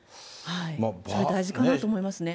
それ、大事かなと思いますね。